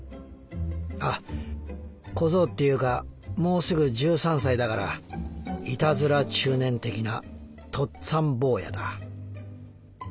あ小僧っていうかもうすぐ１３歳だからいたずら中年的なとっつぁん坊やだ。